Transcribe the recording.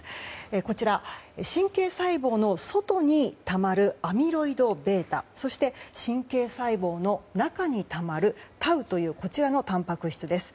こちら、神経細胞の外にたまるアミロイドβそして神経細胞の中にたまるタウというこちらのたんぱく質です。